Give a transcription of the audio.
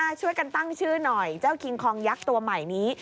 ช่วยกันตั้งชื่อหน่อยเจ้าคิงคองยักษ์ตัวใหม่นี้